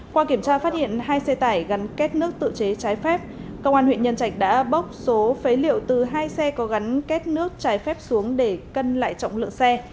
qua kiểm tra phát hiện hai xe tải gắn kết nước tự chế trái phép công an huyện nhân trạch đã bốc số phế liệu từ hai xe có gắn kết nước trái phép xuống để cân lại trọng lượng xe